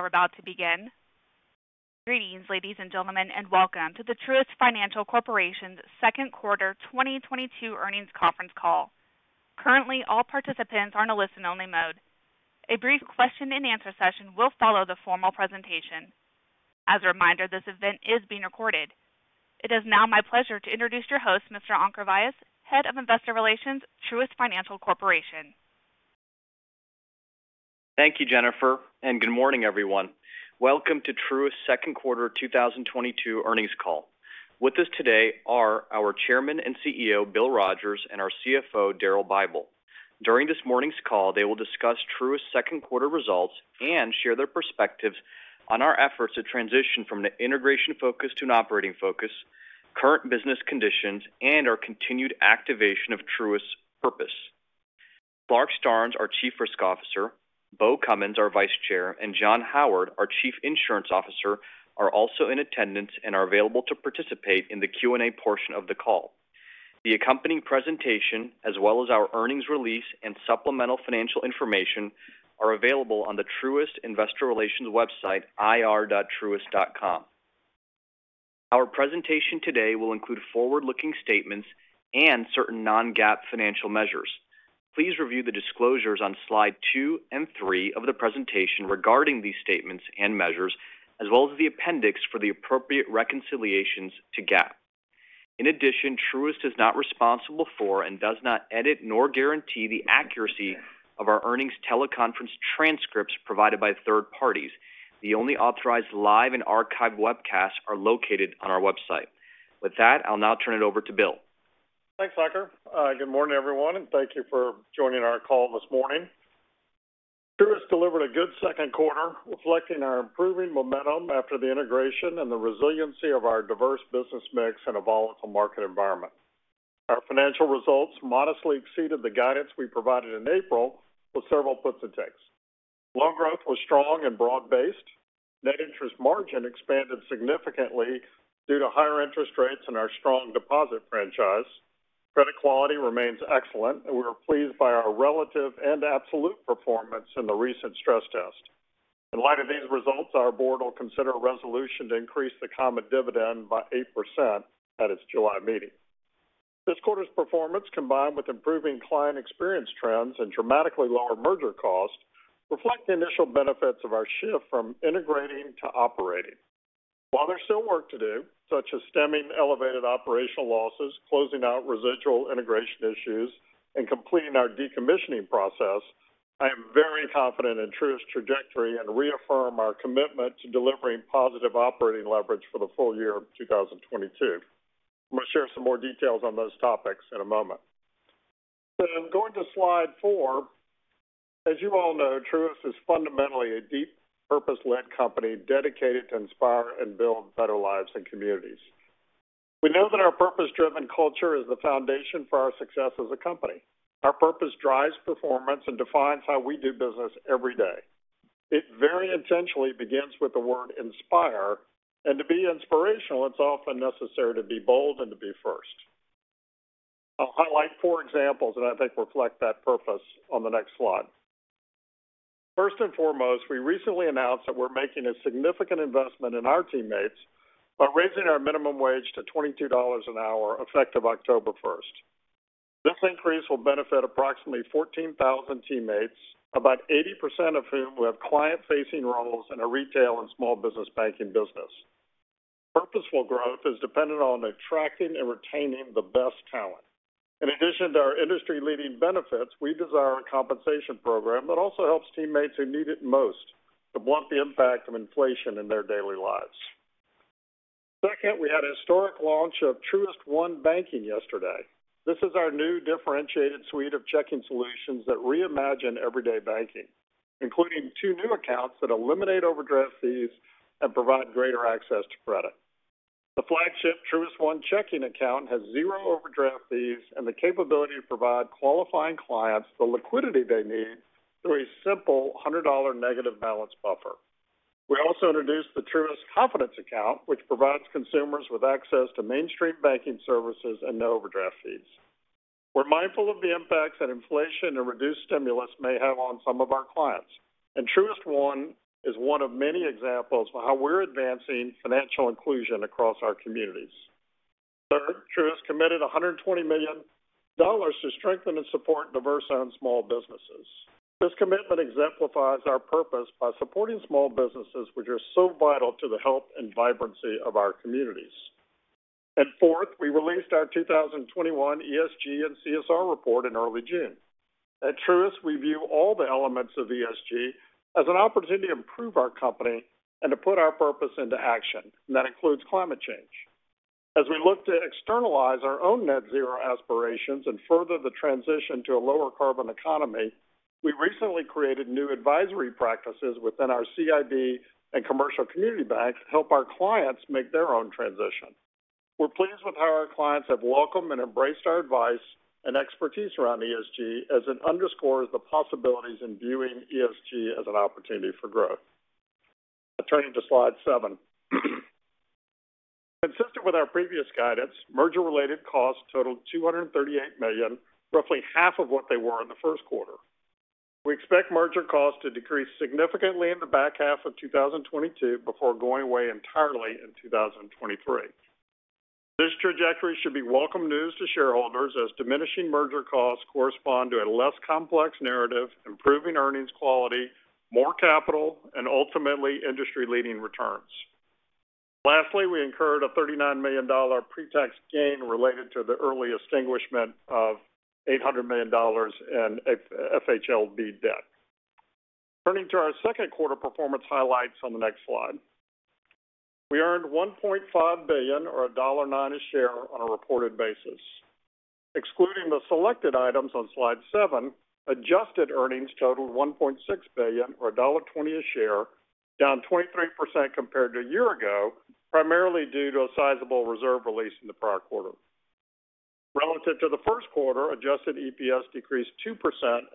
We're about to begin. Greetings, ladies and gentlemen, and welcome to the Truist Financial Corporation's second quarter 2022 earnings conference call. Currently, all participants are in a listen only mode. A brief question and answer session will follow the formal presentation. As a reminder, this event is being recorded. It is now my pleasure to introduce your host, Mr. Ankur Vyas, Head of Investor Relations, Truist Financial Corporation. Thank you, Jennifer, and good morning, everyone. Welcome to Truist's second quarter 2022 earnings call. With us today are our Chairman and CEO, Bill Rogers, and our CFO, Daryl Bible. During this morning's call, they will discuss Truist's second quarter results and share their perspectives on our efforts to transition from an integration focus to an operating focus, current business conditions, and our continued activation of Truist's purpose. Clarke Starnes, our Chief Risk Officer, Beau Cummins, our Vice Chair, and John Howard, our Chief Insurance Officer, are also in attendance and are available to participate in the Q&A portion of the call. The accompanying presentation, as well as our earnings release and supplemental financial information, are available on the Truist Investor Relations website, ir.truist.com. Our presentation today will include forward-looking statements and certain non-GAAP financial measures. Please review the disclosures on slide 2 and 3 of the presentation regarding these statements and measures, as well as the appendix for the appropriate reconciliations to GAAP. In addition, Truist is not responsible for and does not edit nor guarantee the accuracy of our earnings teleconference transcripts provided by third parties. The only authorized live and archived webcasts are located on our website. With that, I'll now turn it over to Bill. Thanks, Ankur. Good morning, everyone, and thank you for joining our call this morning. Truist delivered a good second quarter, reflecting our improving momentum after the integration and the resiliency of our diverse business mix in a volatile market environment. Our financial results modestly exceeded the guidance we provided in April with several puts and takes. Loan growth was strong and broad-based. Net interest margin expanded significantly due to higher interest rates and our strong deposit franchise. Credit quality remains excellent, and we are pleased by our relative and absolute performance in the recent stress test. In light of these results, our board will consider a resolution to increase the common dividend by 8% at its July meeting. This quarter's performance, combined with improving client experience trends and dramatically lower merger costs, reflect the initial benefits of our shift from integrating to operating. While there's still work to do, such as stemming elevated operational losses, closing out residual integration issues, and completing our decommissioning process, I am very confident in Truist's trajectory and reaffirm our commitment to delivering positive operating leverage for the full year of 2022. I'm going to share some more details on those topics in a moment. Going to slide 4. As you all know, Truist is fundamentally a deep purpose-led company dedicated to inspire and build better lives and communities. We know that our purpose-driven culture is the foundation for our success as a company. Our purpose drives performance and defines how we do business every day. It very intentionally begins with the word inspire, and to be inspirational, it's often necessary to be bold and to be first. I'll highlight four examples that I think reflect that purpose on the next slide. First and foremost, we recently announced that we're making a significant investment in our teammates by raising our minimum wage to $22 an hour, effective October first. This increase will benefit approximately 14,000 teammates, about 80% of whom have client-facing roles in a retail and small business banking business. Purposeful growth is dependent on attracting and retaining the best talent. In addition to our industry-leading benefits, we desire a compensation program that also helps teammates who need it most to blunt the impact of inflation in their daily lives. Second, we had a historic launch of Truist One Banking yesterday. This is our new differentiated suite of checking solutions that reimagine everyday banking, including two new accounts that eliminate overdraft fees and provide greater access to credit. The flagship Truist One Checking account has zero overdraft fees and the capability to provide qualifying clients the liquidity they need through a simple $100 negative balance buffer. We also introduced the Truist Confidence Account, which provides consumers with access to mainstream banking services and no overdraft fees. We're mindful of the impacts that inflation and reduced stimulus may have on some of our clients, and Truist One is one of many examples of how we're advancing financial inclusion across our communities. Third, Truist committed $120 million to strengthen and support diverse-owned small businesses. This commitment exemplifies our purpose by supporting small businesses which are so vital to the health and vibrancy of our communities. Fourth, we released our 2021 ESG and CSR report in early June. At Truist, we view all the elements of ESG as an opportunity to improve our company and to put our purpose into action, and that includes climate change. As we look to externalize our own net zero aspirations and further the transition to a lower carbon economy, we recently created new advisory practices within our CIB and commercial community bank to help our clients make their own transition. We're pleased with how our clients have welcomed and embraced our advice and expertise around ESG as it underscores the possibilities in viewing ESG as an opportunity for growth. Turning to slide 7. Consistent with our previous guidance, merger-related costs totaled $238 million, roughly half of what they were in the first quarter. We expect merger costs to decrease significantly in the back half of 2022 before going away entirely in 2023. This trajectory should be welcome news to shareholders as diminishing merger costs correspond to a less complex narrative, improving earnings quality, more capital, and ultimately industry-leading returns. We incurred a $39 million pre-tax gain related to the early extinguishment of $800 million in FHLB debt. Turning to our second quarter performance highlights on the next slide. We earned $1.5 billion or $1.09 a share on a reported basis. Excluding the selected items on slide seven, adjusted earnings totaled $1.6 billion or $1.20 a share, down 23% compared to a year ago, primarily due to a sizable reserve release in the prior quarter. Relative to the first quarter, adjusted EPS decreased 2%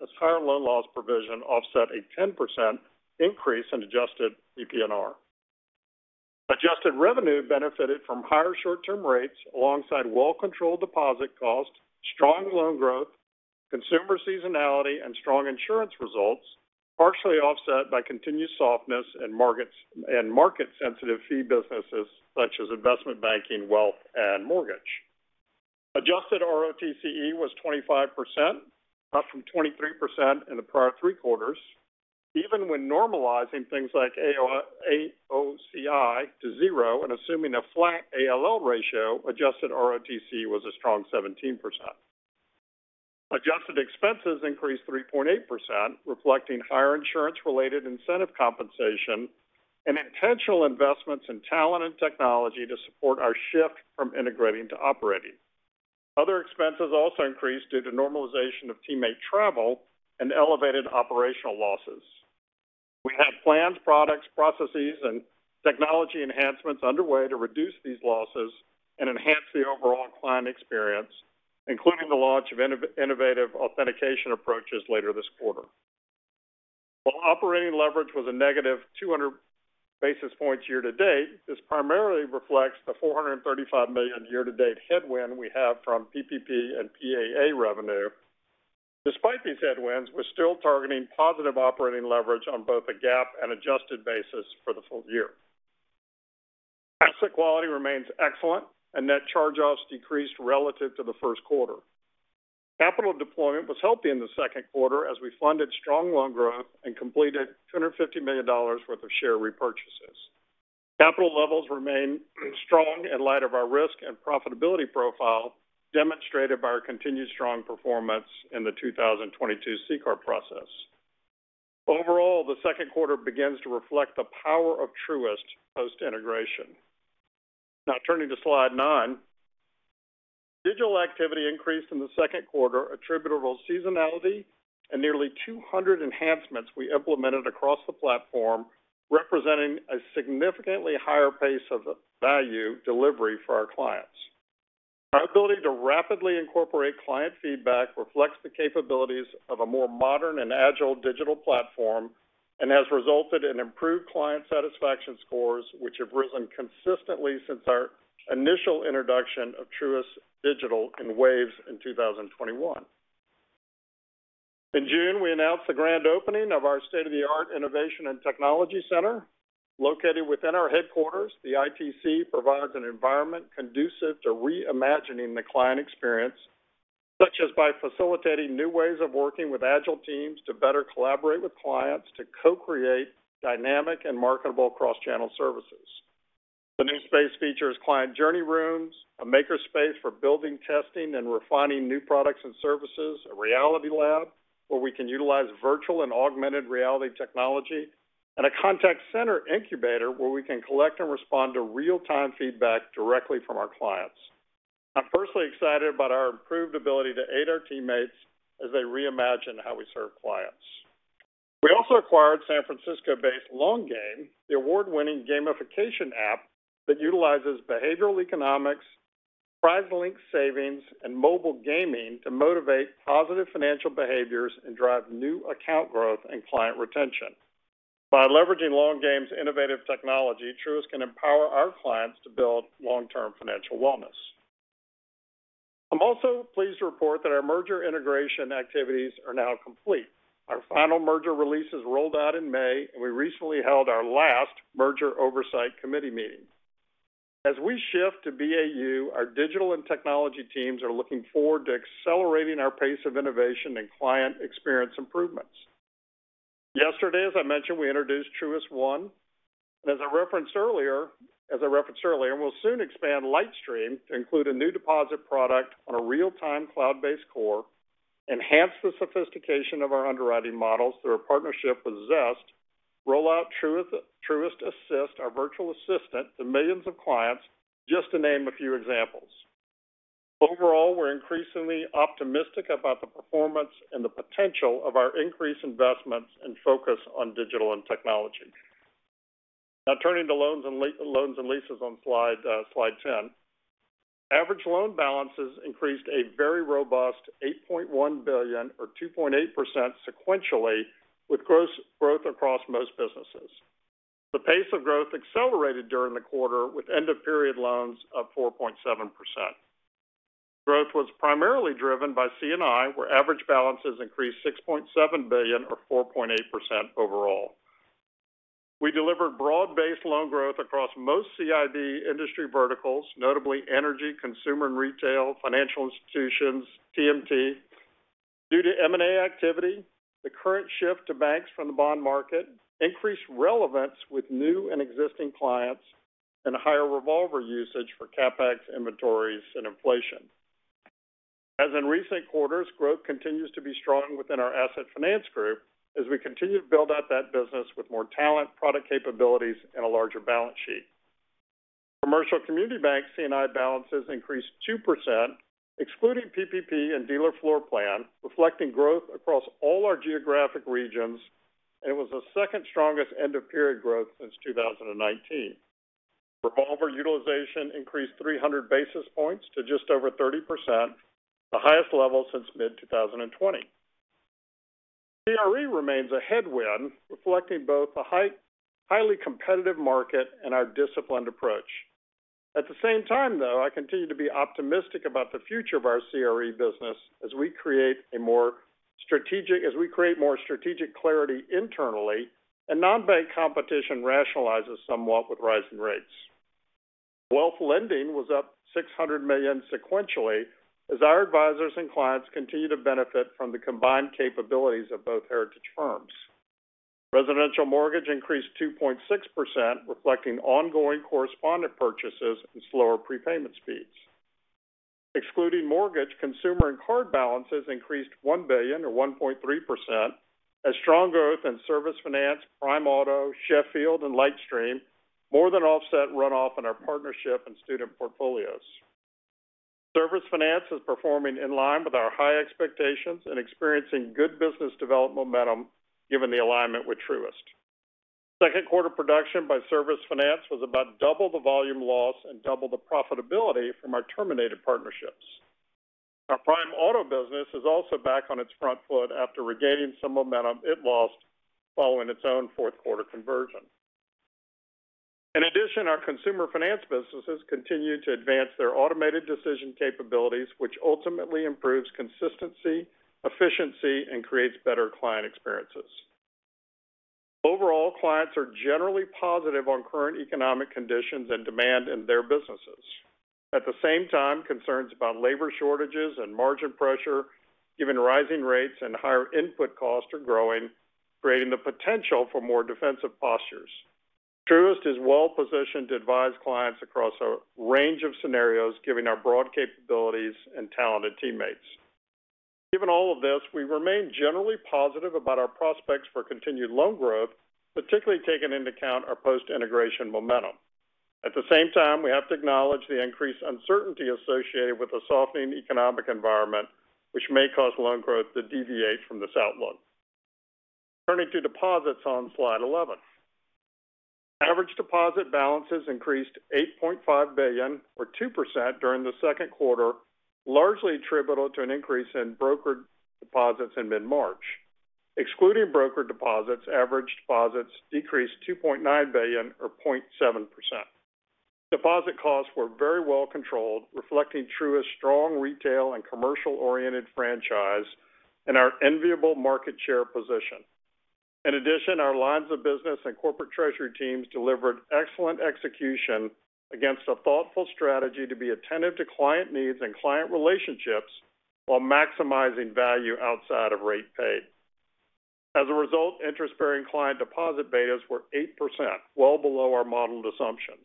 as higher loan loss provision offset a 10% increase in adjusted PPNR. Adjusted revenue benefited from higher short-term rates alongside well-controlled deposit costs, strong loan growth, consumer seasonality, and strong insurance results, partially offset by continued softness in markets, and market-sensitive fee businesses such as investment banking, wealth, and mortgage. Adjusted ROTCE was 25%, up from 23% in the prior three quarters. Even when normalizing things like AOCI to zero and assuming a flat ALL ratio, adjusted ROTCE was a strong 17%. Adjusted expenses increased 3.8%, reflecting higher insurance-related incentive compensation and intentional investments in talent and technology to support our shift from integrating to operating. Other expenses also increased due to normalization of teammate travel and elevated operational losses. We have planned products, processes, and technology enhancements underway to reduce these losses and enhance the overall client experience, including the launch of innovative authentication approaches later this quarter. While operating leverage was a negative 200 basis points year to date, this primarily reflects the $435 million year to date headwind we have from PPP and PAA revenue. Despite these headwinds, we're still targeting positive operating leverage on both a GAAP and adjusted basis for the full year. Asset quality remains excellent and net charge-offs decreased relative to the first quarter. Capital deployment was healthy in the second quarter as we funded strong loan growth and completed $250 million worth of share repurchases. Capital levels remain strong in light of our risk and profitability profile demonstrated by our continued strong performance in the 2022 CCAR process. Overall, the second quarter begins to reflect the power of Truist post-integration. Now turning to slide nine. Digital activity increased in the second quarter attributable to seasonality and nearly 200 enhancements we implemented across the platform, representing a significantly higher pace of value delivery for our clients. Our ability to rapidly incorporate client feedback reflects the capabilities of a more modern and agile digital platform and has resulted in improved client satisfaction scores which have risen consistently since our initial introduction of Truist Digital in waves in 2021. In June, we announced the grand opening of our state-of-the-art innovation and technology center. Located within our headquarters, the ITC provides an environment conducive to reimagining the client experience, such as by facilitating new ways of working with agile teams to better collaborate with clients to co-create dynamic and marketable cross-channel services. The new space features client journey rooms, a maker space for building, testing, and refining new products and services, a reality lab where we can utilize virtual and augmented reality technology, and a contact center incubator where we can collect and respond to real-time feedback directly from our clients. I'm personally excited about our improved ability to aid our teammates as they reimagine how we serve clients. We also acquired San Francisco-based Long Game, the award-winning gamification app that utilizes behavioral economics, prize-linked savings, and mobile gaming to motivate positive financial behaviors and drive new account growth and client retention. By leveraging Long Game's innovative technology, Truist can empower our clients to build long-term financial wellness. I'm also pleased to report that our merger integration activities are now complete. Our final merger release is rolled out in May, and we recently held our last merger oversight committee meeting. As we shift to BAU, our digital and technology teams are looking forward to accelerating our pace of innovation and client experience improvements. Yesterday, as I mentioned, we introduced Truist One. As I referenced earlier, we'll soon expand LightStream to include a new deposit product on a real-time cloud-based core, enhance the sophistication of our underwriting models through our partnership with Zest, roll out Truist Assist, our virtual assistant, to millions of clients, just to name a few examples. Overall, we're increasingly optimistic about the performance and the potential of our increased investments and focus on digital and technology. Now turning to loans and leases on slide ten. Average loan balances increased a very robust $8.1 billion or 2.8% sequentially, with gross growth across most businesses. The pace of growth accelerated during the quarter with end of period loans of 4.7%. Growth was primarily driven by C&I, where average balances increased $6.7 billion or 4.8% overall. We delivered broad-based loan growth across most CIB industry verticals, notably energy, consumer and retail, financial institutions, TMT. Due to M&A activity, the current shift to banks from the bond market increased relevance with new and existing clients and higher revolver usage for CapEx inventories and inflation. As in recent quarters, growth continues to be strong within our asset finance group as we continue to build out that business with more talent, product capabilities, and a larger balance sheet. Commercial community bank C&I balances increased 2%, excluding PPP and dealer floor plan, reflecting growth across all our geographic regions, and it was the second strongest end of period growth since 2019. Revolver utilization increased 300 basis points to just over 30%, the highest level since mid-2020. CRE remains a headwind, reflecting both a highly competitive market and our disciplined approach. At the same time, though, I continue to be optimistic about the future of our CRE business as we create more strategic clarity internally and non-bank competition rationalizes somewhat with rising rates. Wealth lending was up $600 million sequentially as our advisors and clients continue to benefit from the combined capabilities of both heritage firms. Residential mortgage increased 2.6%, reflecting ongoing correspondent purchases and slower prepayment speeds. Excluding mortgage, consumer and card balances increased $1 billion or 1.3% as strong growth in Service Finance, prime auto, Sheffield Financial and LightStream more than offset runoff in our partnership and student portfolios. Service Finance is performing in line with our high expectations and experiencing good business development momentum given the alignment with Truist. Second quarter production by Service Finance was about double the volume loss and double the profitability from our terminated partnerships. Our prime auto business is also back on its front foot after regaining some momentum it lost following its own fourth quarter conversion. In addition, our consumer finance businesses continue to advance their automated decision capabilities, which ultimately improves consistency, efficiency, and creates better client experiences. Overall, clients are generally positive on current economic conditions and demand in their businesses. At the same time, concerns about labor shortages and margin pressure, given rising rates and higher input costs, are growing, creating the potential for more defensive postures. Truist is well positioned to advise clients across a range of scenarios, given our broad capabilities and talented teammates. Given all of this, we remain generally positive about our prospects for continued loan growth, particularly taking into account our post-integration momentum. At the same time, we have to acknowledge the increased uncertainty associated with a softening economic environment, which may cause loan growth to deviate from this outlook. Turning to deposits on slide 11. Average deposit balances increased $8.5 billion or 2% during the second quarter, largely attributable to an increase in brokered deposits in mid-March. Excluding brokered deposits, average deposits decreased $2.9 billion or 0.7%. Deposit costs were very well controlled, reflecting Truist's strong retail and commercial-oriented franchise and our enviable market share position. In addition, our lines of business and corporate treasury teams delivered excellent execution against a thoughtful strategy to be attentive to client needs and client relationships while maximizing value outside of rate paid. As a result, interest-bearing client deposit betas were 8%, well below our modeled assumptions.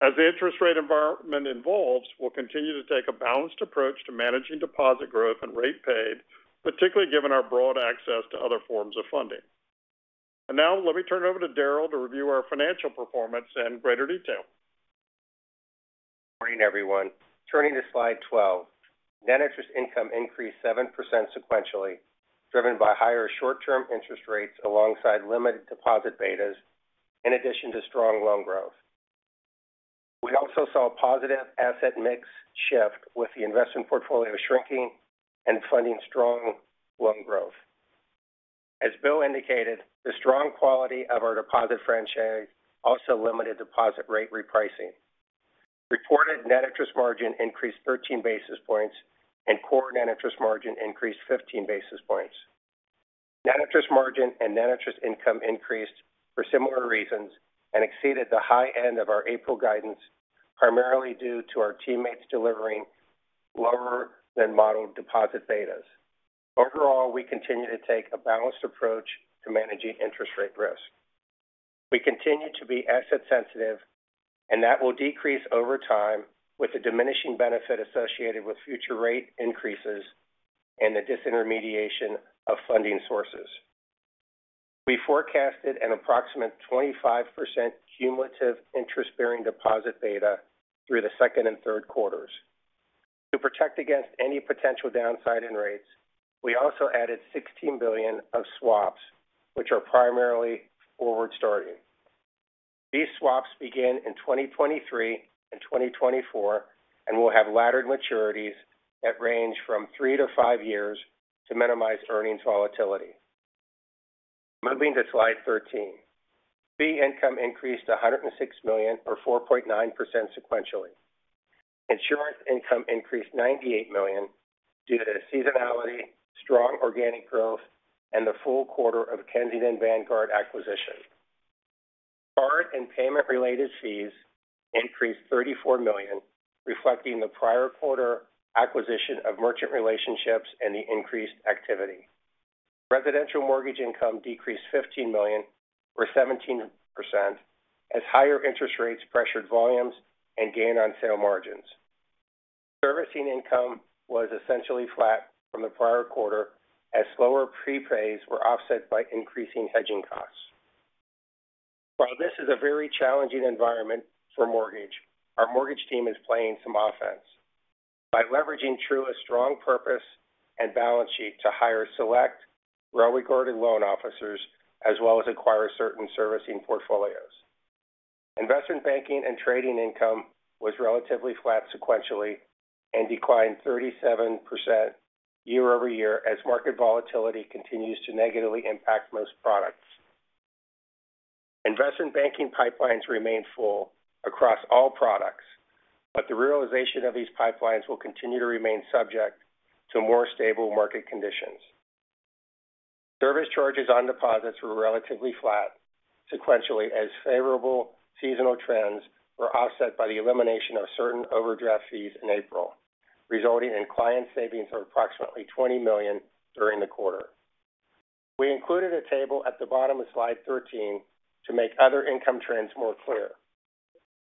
As the interest rate environment evolves, we'll continue to take a balanced approach to managing deposit growth and rate paid, particularly given our broad access to other forms of funding. Now let me turn it over to Daryl to review our financial performance in greater detail. Morning, everyone. Turning to slide 12. Net interest income increased 7% sequentially, driven by higher short-term interest rates alongside limited deposit betas in addition to strong loan growth. We also saw a positive asset mix shift with the investment portfolio shrinking and funding strong loan growth. As Bill indicated, the strong quality of our deposit franchise also limited deposit rate repricing. Reported net interest margin increased 13 basis points and core net interest margin increased 15 basis points. Net interest margin and net interest income increased for similar reasons and exceeded the high end of our April guidance, primarily due to our teammates delivering lower than modeled deposit betas. Overall, we continue to take a balanced approach to managing interest rate risk. We continue to be asset sensitive and that will decrease over time with the diminishing benefit associated with future rate increases and the disintermediation of funding sources. We forecasted an approximate 25% cumulative interest-bearing deposit beta through the second and third quarters. To protect against any potential downside in rates, we also added $16 billion of swaps, which are primarily forward starting. These swaps begin in 2023 and 2024 and will have laddered maturities that range from 3-5 years to minimize earnings volatility. Moving to slide 13. Fee income increased to $106 million or 4.9% sequentially. Insurance income increased $98 million due to seasonality, strong organic growth, and the full quarter of Kensington Vanguard acquisition. Card and payment-related fees increased $34 million, reflecting the prior quarter acquisition of merchant relationships and the increased activity. Residential mortgage income decreased $15 million or 17% as higher interest rates pressured volumes and gain on sale margins. Servicing income was essentially flat from the prior quarter as slower prepays were offset by increasing hedging costs. While this is a very challenging environment for mortgage, our mortgage team is playing some offense by leveraging Truist's strong purpose and balance sheet to hire select well-regarded loan officers as well as acquire certain servicing portfolios. Investment banking and trading income was relatively flat sequentially and declined 37% year-over-year as market volatility continues to negatively impact most products. Investment banking pipelines remain full across all products, but the realization of these pipelines will continue to remain subject to more stable market conditions. Service charges on deposits were relatively flat sequentially as favorable seasonal trends were offset by the elimination of certain overdraft fees in April, resulting in client savings of approximately $20 million during the quarter. We included a table at the bottom of slide 13 to make other income trends more clear.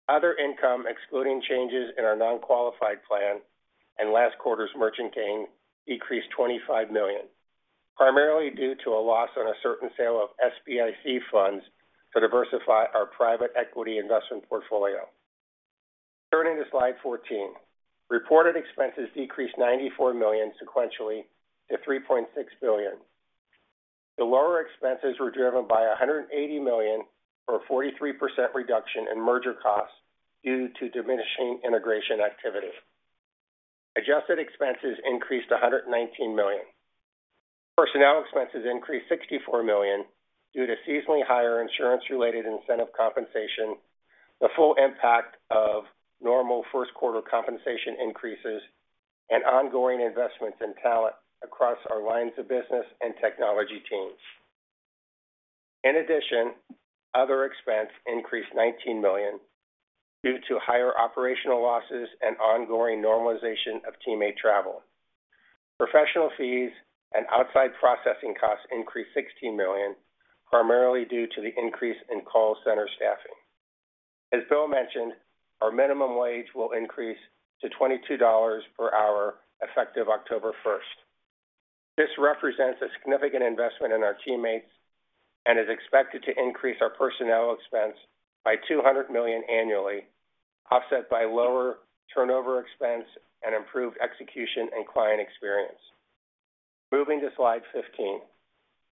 Other income excluding changes in our non-qualified plan and last quarter's merchant gain decreased $25 million, primarily due to a loss on a certain sale of SBIC funds to diversify our private equity investment portfolio. Turning to slide 14. Reported expenses decreased $94 million sequentially to $3.6 billion. The lower expenses were driven by $180 million or 43% reduction in merger costs due to diminishing integration activity. Adjusted expenses increased $119 million. Personnel expenses increased $64 million due to seasonally higher insurance-related incentive compensation, the full impact of normal first quarter compensation increases, and ongoing investments in talent across our lines of business and technology teams. In addition, other expense increased $19 million due to higher operational losses and ongoing normalization of teammate travel. Professional fees and outside processing costs increased $16 million, primarily due to the increase in call center staffing. As Bill mentioned, our minimum wage will increase to $22 per hour effective October 1. This represents a significant investment in our teammates and is expected to increase our personnel expense by $200 million annually, offset by lower turnover expense and improved execution and client experience. Moving to slide 15.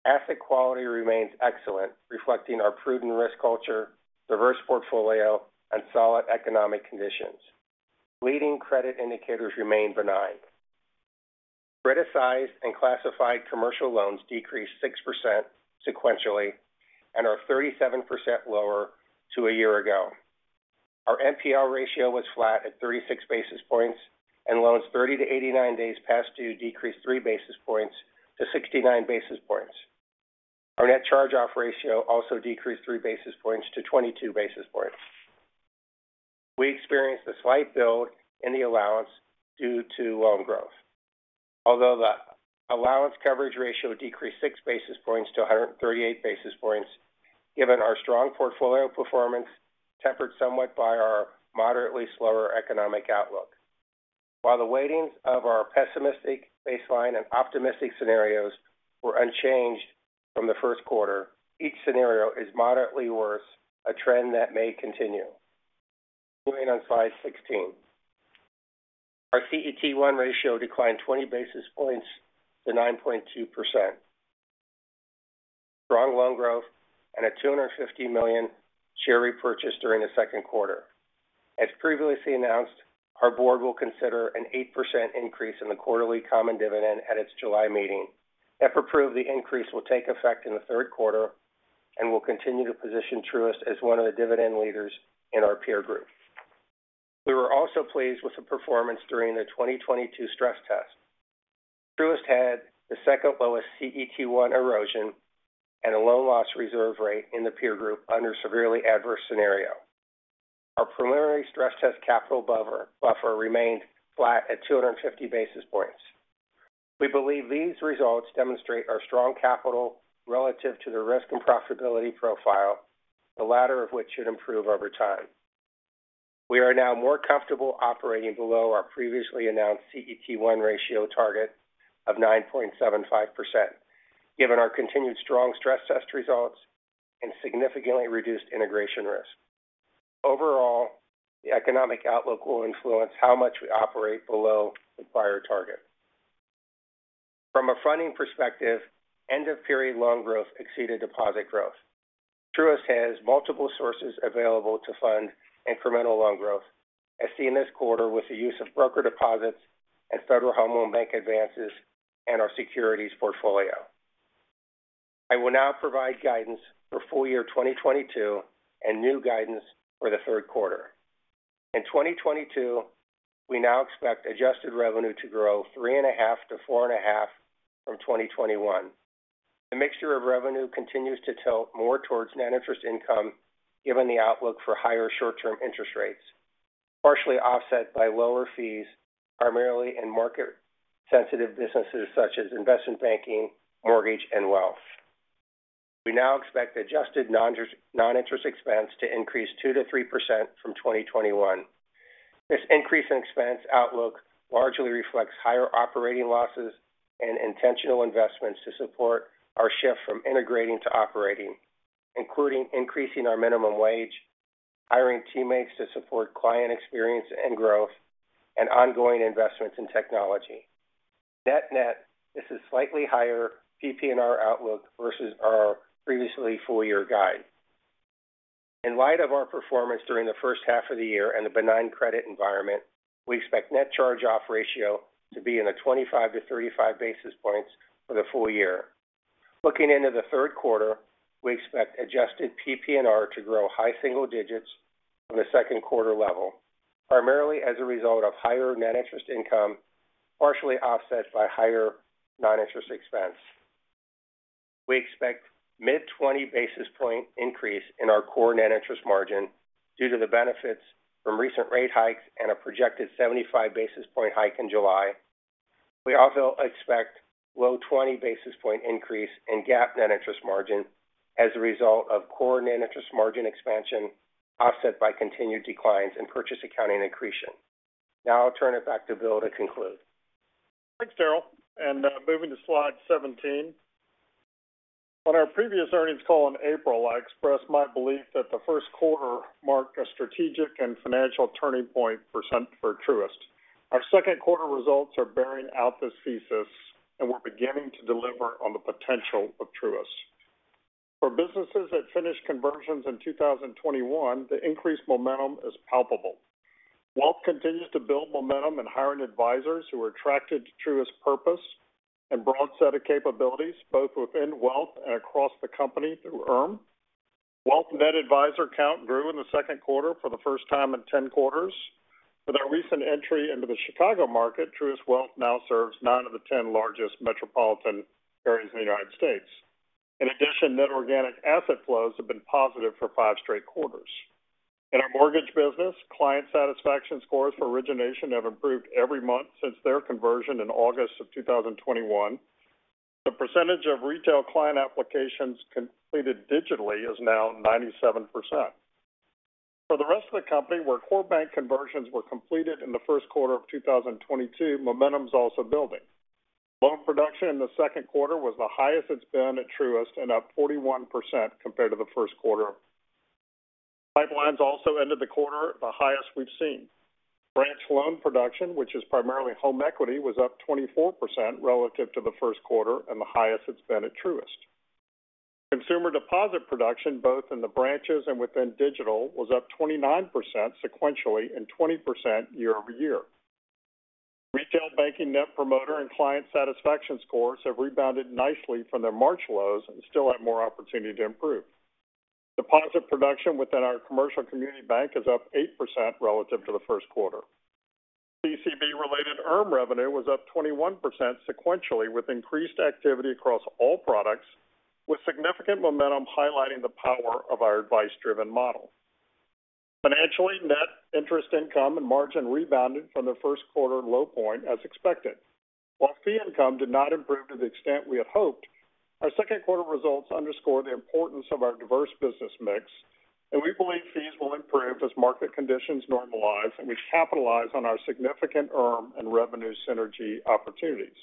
Asset quality remains excellent, reflecting our prudent risk culture, diverse portfolio, and solid economic conditions. Leading credit indicators remain benign. Criticized and classified commercial loans decreased 6% sequentially and are 37% lower than a year ago. Our NPR ratio was flat at 36 basis points and loans 30-89 days past due decreased 3 basis points to 69 basis points. Our net charge-off ratio also decreased 3 basis points to 22 basis points. We experienced a slight build in the allowance due to loan growth. Although the allowance coverage ratio decreased 6 basis points to 138 basis points, given our strong portfolio performance tempered somewhat by our moderately slower economic outlook. While the weightings of our pessimistic baseline and optimistic scenarios were unchanged from the first quarter, each scenario is moderately worse, a trend that may continue. Moving on slide 16. Our CET1 ratio declined 20 basis points to 9.2%. Strong loan growth and a $250 million share repurchase during the second quarter. As previously announced, our board will consider an 8% increase in the quarterly common dividend at its July meeting. If approved, the increase will take effect in the third quarter and will continue to position Truist as one of the dividend leaders in our peer group. We were also pleased with the performance during the 2022 stress test. Truist had the second lowest CET1 erosion and a loan loss reserve rate in the peer group under severely adverse scenario. Our preliminary stress test capital buffer remained flat at 250 basis points. We believe these results demonstrate our strong capital relative to the risk and profitability profile, the latter of which should improve over time. We are now more comfortable operating below our previously announced CET1 ratio target of 9.75%. Given our continued strong stress test results and significantly reduced integration risk. Overall, the economic outlook will influence how much we operate below the prior target. From a funding perspective, end of period loan growth exceeded deposit growth. Truist has multiple sources available to fund incremental loan growth, as seen this quarter with the use of broker deposits and Federal Home Loan Bank advances and our securities portfolio. I will now provide guidance for full year 2022 and new guidance for the third quarter. In 2022, we now expect adjusted revenue to grow 3.5%-4.5% from 2021. The mixture of revenue continues to tilt more towards net interest income given the outlook for higher short-term interest rates, partially offset by lower fees, primarily in market sensitive businesses such as investment banking, mortgage, and wealth. We now expect adjusted non-interest expense to increase 2%-3% from 2021. This increase in expense outlook largely reflects higher operating losses and intentional investments to support our shift from integrating to operating, including increasing our minimum wage, hiring teammates to support client experience and growth, and ongoing investments in technology. Net net, this is slightly higher PPNR outlook versus our previous full year guide. In light of our performance during the first half of the year and the benign credit environment, we expect net charge-off ratio to be in a 25-35 basis points for the full year. Looking into the third quarter, we expect adjusted PPNR to grow high single digits from the second quarter level, primarily as a result of higher net interest income, partially offset by higher non-interest expense. We expect mid-20 basis point increase in our core net interest margin due to the benefits from recent rate hikes and a projected 75 basis point hike in July. We also expect low 20 basis point increase in GAAP net interest margin as a result of core net interest margin expansion, offset by continued declines in purchase accounting accretion. Now I'll turn it back to Bill to conclude. Thanks, Daryl. Moving to slide 17. On our previous earnings call in April, I expressed my belief that the first quarter marked a strategic and financial turning point for Truist. Our second quarter results are bearing out this thesis, and we're beginning to deliver on the potential of Truist. For businesses that finished conversions in 2021, the increased momentum is palpable. Wealth continues to build momentum in hiring advisors who are attracted to Truist purpose and broad set of capabilities both within Wealth and across the company through ERM. Wealth net advisor count grew in the second quarter for the first time in 10 quarters. With our recent entry into the Chicago market, Truist Wealth now serves 9 of the 10 largest metropolitan areas in the United States. In addition, net organic asset flows have been positive for 5 straight quarters. In our mortgage business, client satisfaction scores for origination have improved every month since their conversion in August of 2021. The percentage of retail client applications completed digitally is now 97%. For the rest of the company where core bank conversions were completed in the first quarter of 2022, momentum's also building. Loan production in the second quarter was the highest it's been at Truist and up 41% compared to the first quarter. Pipelines also ended the quarter at the highest we've seen. Branch loan production, which is primarily home equity, was up 24% relative to the first quarter and the highest it's been at Truist. Consumer deposit production, both in the branches and within digital, was up 29% sequentially and 20% year over year. Retail banking net promoter and client satisfaction scores have rebounded nicely from their March lows and still have more opportunity to improve. Deposit production within our commercial community bank is up 8% relative to the first quarter. BCB-related ERM revenue was up 21% sequentially with increased activity across all products, with significant momentum highlighting the power of our advice-driven model. Financially, net interest income and margin rebounded from the first quarter low point as expected. While fee income did not improve to the extent we had hoped, our second quarter results underscore the importance of our diverse business mix, and we believe fees will improve as market conditions normalize, and we capitalize on our significant ERM and revenue synergy opportunities.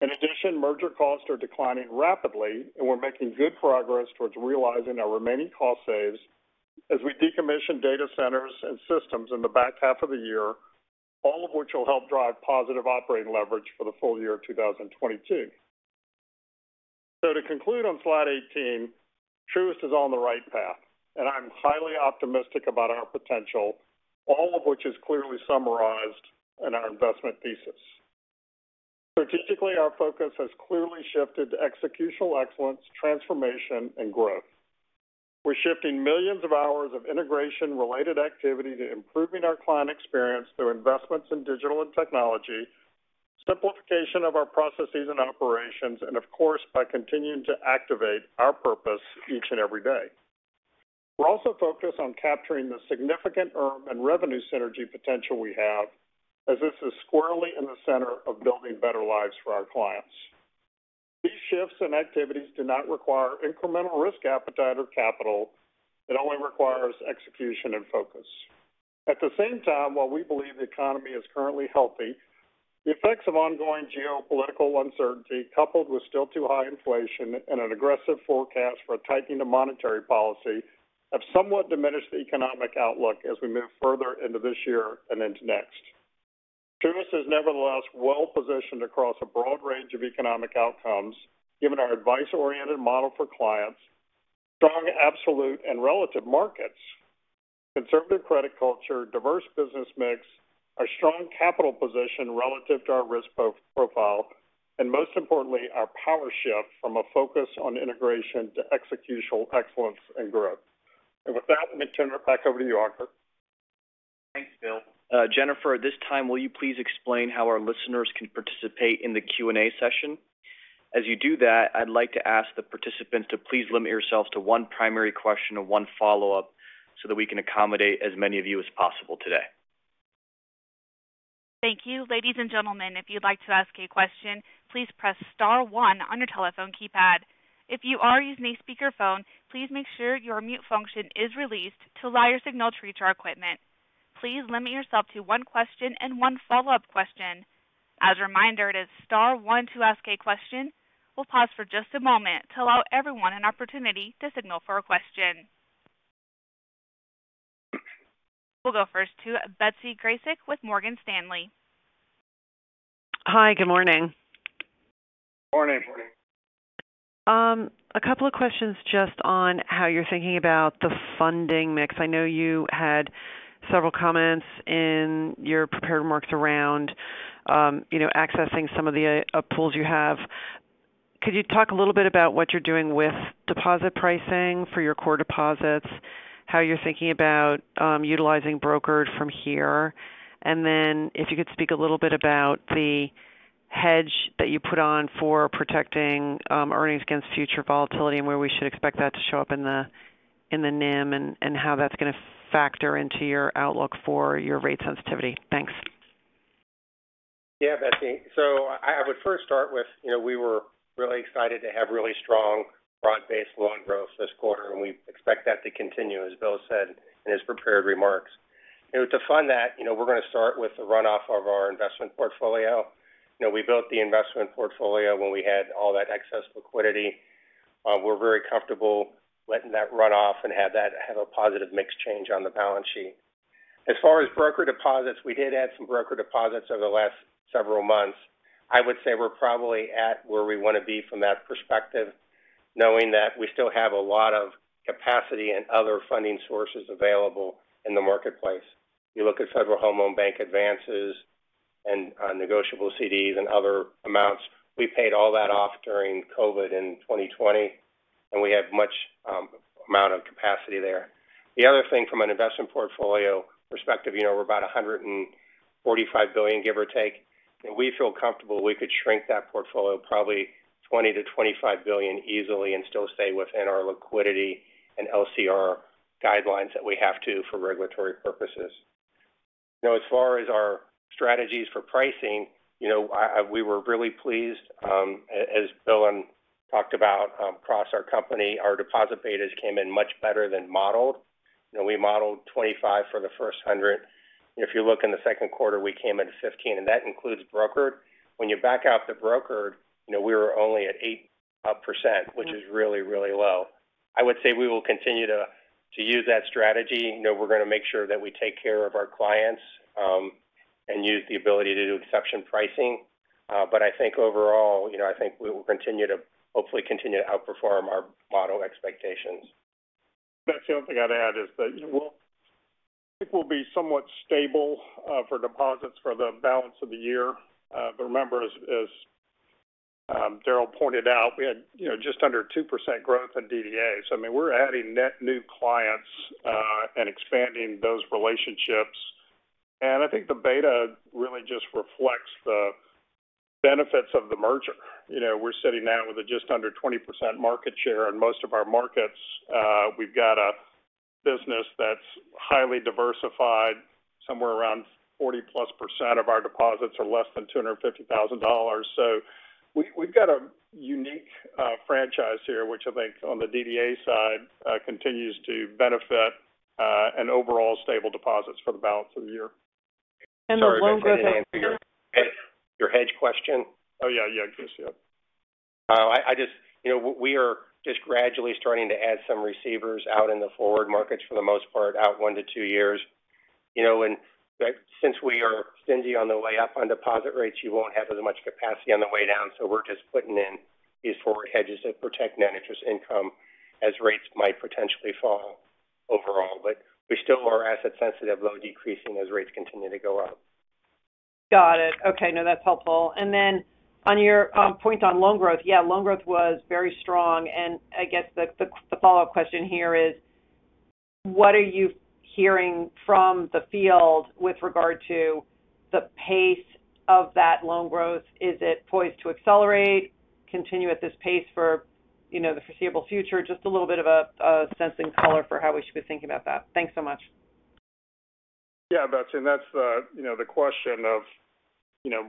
In addition, merger costs are declining rapidly, and we're making good progress towards realizing our remaining cost saves as we decommission data centers and systems in the back half of the year, all of which will help drive positive operating leverage for the full year of 2022. To conclude on slide 18, Truist is on the right path, and I'm highly optimistic about our potential, all of which is clearly summarized in our investment thesis. Strategically, our focus has clearly shifted to executional excellence, transformation, and growth. We're shifting millions of hours of integration-related activity to improving our client experience through investments in digital and technology, simplification of our processes and operations, and of course, by continuing to activate our purpose each and every day. We're also focused on capturing the significant ERM and revenue synergy potential we have as this is squarely in the center of building better lives for our clients. These shifts and activities do not require incremental risk appetite or capital. It only requires execution and focus. At the same time, while we believe the economy is currently healthy, the effects of ongoing geopolitical uncertainty coupled with still too high inflation and an aggressive forecast for a tightening of monetary policy have somewhat diminished the economic outlook as we move further into this year and into next. Truist is nevertheless well positioned across a broad range of economic outcomes given our advice-oriented model for clients, strong absolute and relative markets, conservative credit culture, diverse business mix, our strong capital position relative to our risk profile, and most importantly, our power shift from a focus on integration to executional excellence and growth. With that, let me turn it back over to you, Ankur Vyas. Thanks, Bill. Jennifer, at this time, will you please explain how our listeners can participate in the Q&A session? As you do that, I'd like to ask the participants to please limit yourselves to one primary question and one follow-up so that we can accommodate as many of you as possible today. Thank you. Ladies and gentlemen, if you'd like to ask a question, please press star one on your telephone keypad. If you are using a speakerphone, please make sure your mute function is released to allow your signal to reach our equipment. Please limit yourself to one question and one follow-up question. As a reminder, it is star one to ask a question. We'll pause for just a moment to allow everyone an opportunity to signal for a question. We'll go first to Betsy Graseck with Morgan Stanley. Hi. Good morning. Morning. Morning. A couple of questions just on how you're thinking about the funding mix. I know you had several comments in your prepared remarks around, you know, accessing some of the pools you have. Could you talk a little bit about what you're doing with deposit pricing for your core deposits, how you're thinking about utilizing brokered from here? And then if you could speak a little bit about the hedge that you put on for protecting earnings against future volatility and where we should expect that to show up in the NIM and how that's going to factor into your outlook for your rate sensitivity. Thanks. Yeah, Betsy. I would first start with we were really excited to have really strong broad-based loan growth this quarter, and we expect that to continue, as Bill said in his prepared remarks. To fund that, you know, we're going to start with the runoff of our investment portfolio. We built the investment portfolio when we had all that excess liquidity. We're very comfortable letting that run off and have a positive mix change on the balance sheet. As far as broker deposits, we did add some broker deposits over the last several months. I would say we're probably at where we want to be from that perspective, knowing that we still have a lot of capacity and other funding sources available in the marketplace. You look at federal home loan bank advances and, negotiable CDs and other amounts. We paid all that off during COVID in 2020, and we have much, amount of capacity there. The other thing from an investment portfolio perspective we're about $145 billion, give or take. We feel comfortable we could shrink that portfolio probably $20-$25 billion easily and still stay within our liquidity and LCR guidelines that we have to for regulatory purposes. As far as our strategies for pricing I, we were really pleased, as Bill talked about, across our company, our deposit betas came in much better than modeled. You know, we modeled 25% for the first 100. If you look in the second quarter, we came in at 15%, and that includes brokered. When you back out the brokered we were only at 8%, which is really, really low. I would say we will continue to use that strategy. We're going to make sure that we take care of our clients, and use the ability to do exception pricing. But I think overall, you know, I think we will continue to hopefully continue to outperform our model expectations. Betsy, the only thing I'd add is that it will be somewhat stable for deposits for the balance of the year. Remember, as Daryl pointed out, we had just under 2% growth in DDA. I mean, we're adding net new clients and expanding those relationships. I think the beta really just reflects the benefits of the merger. We're sitting now with a just under 20% market share in most of our markets. We've got a business that's highly diversified. Somewhere around 40+% of our deposits are less than $250,000. We've got a unique franchise here, which I think on the DDA side continues to benefit an overall stable deposits for the balance of the year. The loan growth. Sorry, Betsy. Did I answer your hedge question? Oh, yeah. Yeah. Please. Yeah. We are just gradually starting to add some receivers out in the forward markets for the most part, out 1-2 years. You know, since we are stingy on the way up on deposit rates, you won't have as much capacity on the way down. We're just putting in these forward hedges that protect net interest income as rates might potentially fall overall. We still are asset sensitive, loan decreasing as rates continue to go up. Got it. Okay. No, that's helpful. Then on your point on loan growth, yeah, loan growth was very strong. The follow-up question here is, what are you hearing from the field with regard to the pace of that loan growth? Is it poised to accelerate, continue at this pace for the foreseeable future? Just a little bit of a sense and color for how we should be thinking about that. Thanks so much. Yeah, Betsy. That's the question of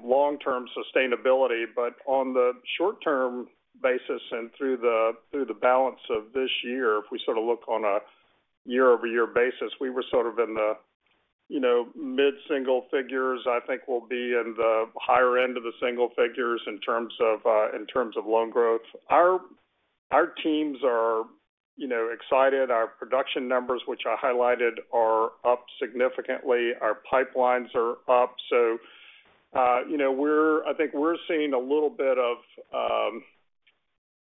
long-term sustainability. On the short-term basis and through the balance of this year, if we sort of look on a year-over-year basis, we were sort of in the mid-single figures. I think we'll be in the higher end of the single figures in terms of loan growth. Our teams are excited. Our production numbers, which I highlighted, are up significantly. Our pipelines are up. I think we're seeing a little bit of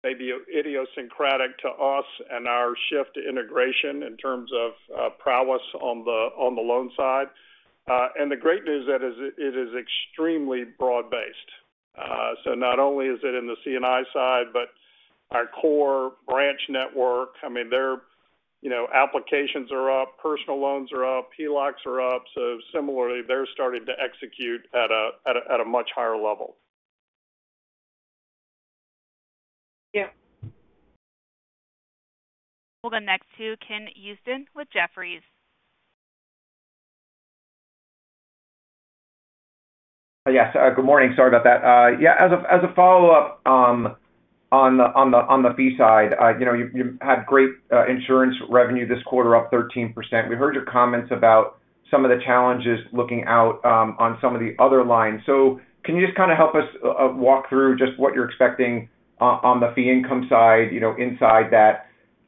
maybe idiosyncratic to us and our shift to integration in terms of progress on the loan side. The great news is, it is extremely broad-based. Not only is it in the C&I side, but our core branch network. Their applications are up, personal loans are up, PLOCs are up. Similarly, they're starting to execute at a much higher level. Yeah. We'll go next to Ken Usdin with Jefferies. Yes. Good morning. Sorry about that. Yeah, as a follow-up on the fee side. You had great insurance revenue this quarter, up 13%. We heard your comments about some of the challenges looking out on some of the other lines. Can you just kind of help us walk through just what you're expecting on the fee income side, inside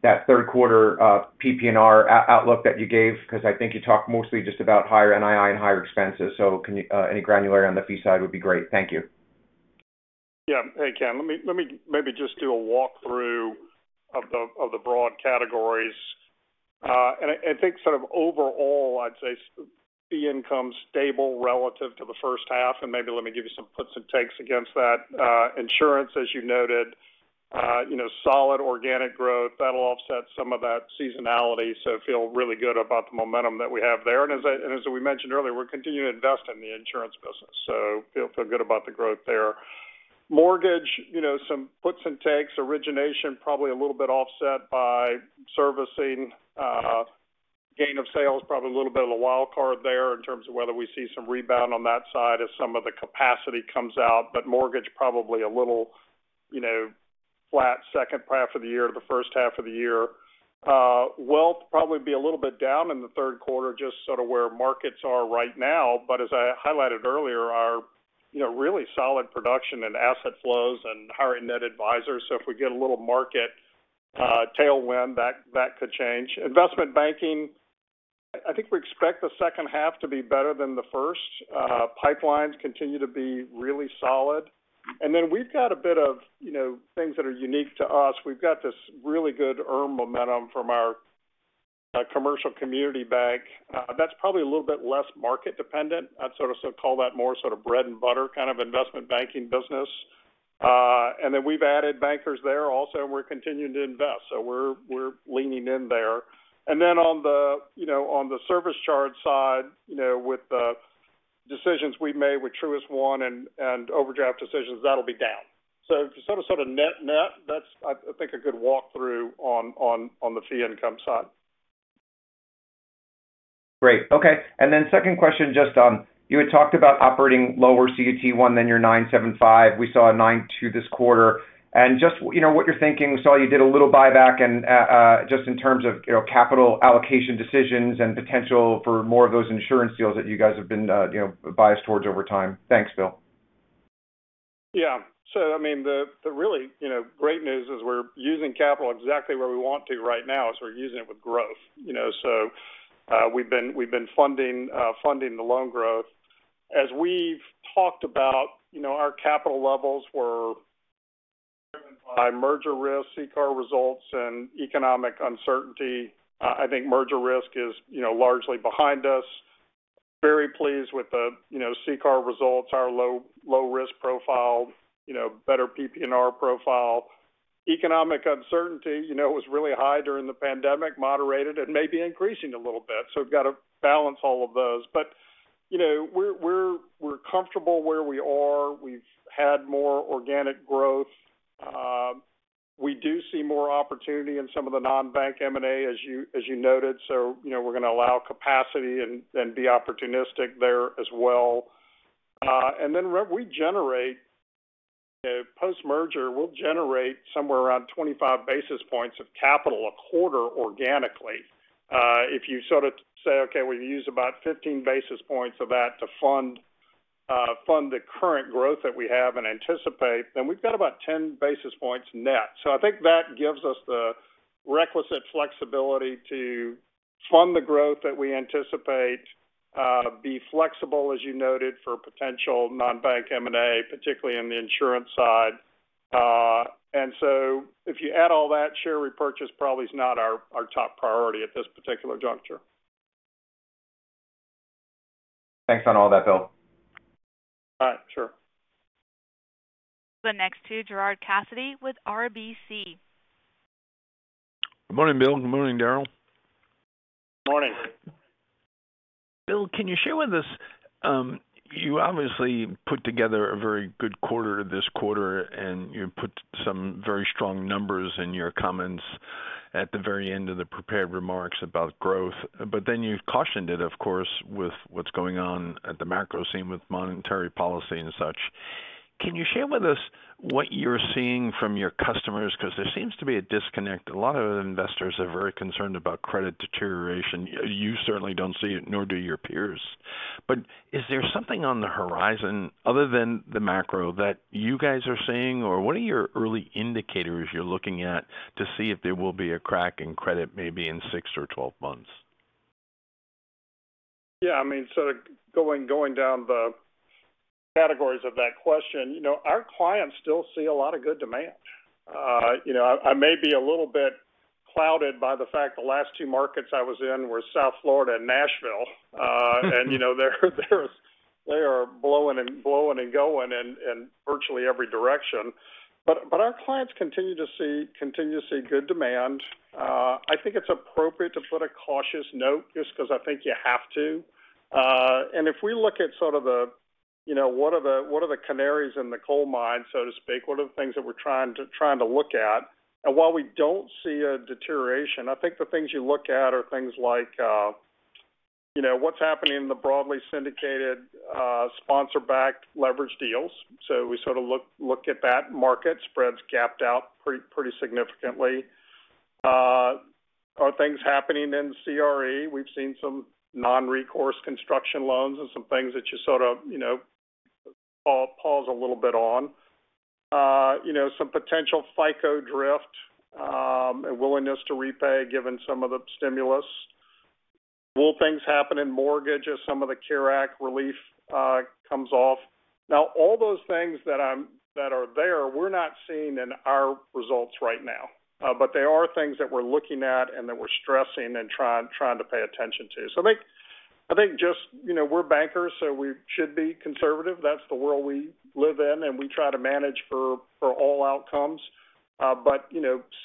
that third quarter PPNR outlook that you gave? Because I think you talked mostly just about higher NII and higher expenses. Can you any granularity on the fee side would be great. Thank you. Yeah. Hey, Ken, let me maybe just do a walk-through of the broad categories. I think sort of overall, I'd say fee income stable relative to the first half. Maybe let me give you some puts and takes against that. Insurance, as you noted solid organic growth. That'll offset some of that seasonality, so feel really good about the momentum that we have there. As we mentioned earlier, we're continuing to invest in the insurance business. Feel good about the growth there. Mortgage, you know, some puts and takes. Origination probably a little bit offset by servicing. Gain on sales probably a little bit of a wild card there in terms of whether we see some rebound on that side as some of the capacity comes out. Mortgage probably a little flat second half of the year to the first half of the year. Wealth probably be a little bit down in the third quarter, just sort of where markets are right now. As I highlighted earlier, our really solid production and asset flows and hiring net advisors. If we get a little market tailwind, that could change. Investment banking, I think we expect the second half to be better than the first. Pipelines continue to be really solid. We've got a bit of things that are unique to us. We've got this really good earn momentum from our commercial community bank. That's probably a little bit less market dependent. I'd sort of call that more sort of bread and butter kind of investment banking business. We've added bankers there also, and we're continuing to invest. We're leaning in there. On the service charge side, you know, with the decisions we've made with Truist One and overdraft decisions, that'll be down. If you sort of net, that's, I think, a good walk-through on the fee income side. Great. Okay. Second question, just, you had talked about operating lower CET1 than your 9.75%. We saw a 9.2% this quarter. Just what you're thinking. We saw you did a little buyback and, just in terms of, you know, capital allocation decisions and potential for more of those insurance deals that you guys have been biased towards over time. Thanks, Bill. Yeah. The really great news is we're using capital exactly where we want to right now, is we're using it with growth. We've been funding the loan growth. As we've talked about our capital levels were driven by merger risk, CCAR results, and economic uncertainty. I think merger risk is, you know, largely behind us. Very pleased with the, you know, CCAR results, our low risk profile better PPNR profile. Economic uncertainty was really high during the pandemic, moderated, and may be increasing a little bit. We've got to balance all of those. You know, we're comfortable where we are. We've had more organic growth. We do see more opportunity in some of the non-bank M&A, as you noted. We're gonna allow capacity and be opportunistic there as well. Post-merger, we'll generate somewhere around 25 basis points of capital a quarter organically. If you sort of say, okay, we've used about 15 basis points of that to fund the current growth that we have and anticipate, then we've got about 10 basis points net. I think that gives us the requisite flexibility to fund the growth that we anticipate, be flexible, as you noted, for potential non-bank M&A, particularly in the insurance side. If you add all that, share repurchase probably is not our top priority at this particular juncture. Thanks for all that, Bill. All right. Sure. The next to Gerard Cassidy with RBC. Good morning, Bill. Good morning, Daryl. Morning. Bill, can you share with us, you obviously put together a very good quarter this quarter, and you put some very strong numbers in your comments. At the very end of the prepared remarks about growth, but then you've cautioned it, of course, with what's going on at the macro scene with monetary policy and such. Can you share with us what you're seeing from your customers? Because there seems to be a disconnect. A lot of investors are very concerned about credit deterioration. You certainly don't see it, nor do your peers. But is there something on the horizon other than the macro that you guys are seeing? Or what are your early indicators you're looking at to see if there will be a crack in credit maybe in 6 or 12 months? Yeah, sort of going down the categories of that question our clients still see a lot of good demand. I may be a little bit clouded by the fact the last two markets I was in were South Florida and Nashville, they're blowing and going in virtually every direction. But our clients continue to see good demand. It's appropriate to put a cautious note just because you have to. If we look at sort of a, you know, what are the canaries in the coal mine, so to speak, what are the things that we're trying to look at. While we don't see a deterioration, I think the things you look at are things like, you know, what's happening in the broadly syndicated, sponsor-backed leverage deals. We sort of look at that market. Spreads gapped out pretty significantly. Are things happening in CRE? We've seen some non-recourse construction loans and some things that you sort of, you know, pause a little bit on. Some potential FICO drift, a willingness to repay given some of the stimulus. Will things happen in mortgages? Some of the CARES Act relief comes off. Now, all those things that are there, we're not seeing in our results right now. But they are things that we're looking at and that we're stressing and trying to pay attention to. I think just we're bankers, so we should be conservative. That's the world we live in, and we try to manage for all outcomes.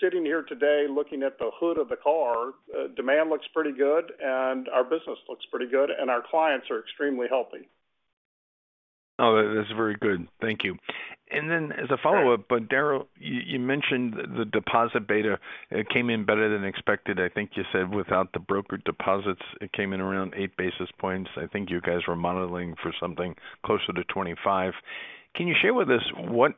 Sitting here today looking at the hood of the car, demand looks pretty good and our business looks pretty good and our clients are extremely healthy. Oh, that's very good. Thank you. As a follow-up, but Daryl, you mentioned the deposit beta came in better than expected. I think you said without the broker deposits, it came in around 8 basis points. I think you guys were modeling for something closer to 25. Can you share with us what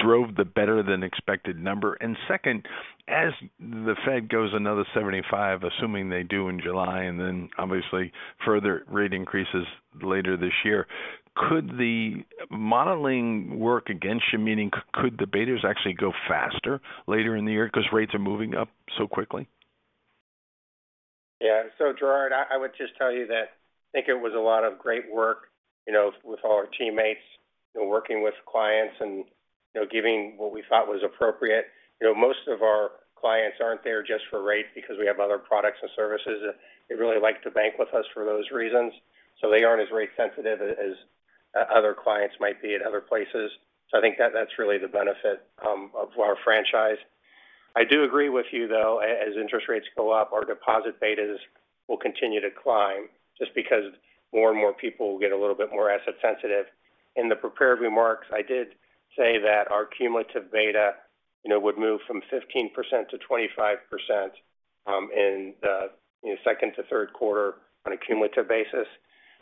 drove the better than expected number? Second, as the Fed goes another 75, assuming they do in July and then obviously further rate increases later this year, could the modeling work against you? Meaning could the betas actually go faster later in the year because rates are moving up so quickly? Yeah. Gerard, I would just tell you that it was a lot of great work with our teammates and working with clients and, giving what we thought was appropriate. Most of our clients aren't there just for rate because we have other products and services. They really like to bank with us for those reasons. They aren't as rate sensitive as other clients might be at other places. I think that's really the benefit of our franchise. I do agree with you, though. As interest rates go up, our deposit betas will continue to climb just because more and more people will get a little bit more asset sensitive. In the prepared remarks, I did say that our cumulative beta, you know, would move from 15%-25%, in the second to third quarter on a cumulative basis.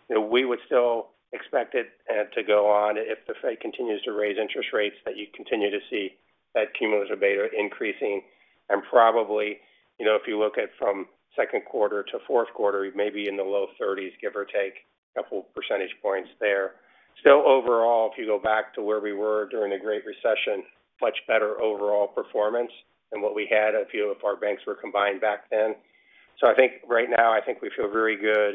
You know, we would still expect it to go on if the Fed continues to raise interest rates, that you continue to see that cumulative beta increasing. Probably if you look at from second quarter to Q4, maybe in the low 30s%, give or take a couple percentage points there. Still overall, if you go back to where we were during the Great Recession, much better overall performance than what we had a few of our banks were combined back then. I think right now we feel very good.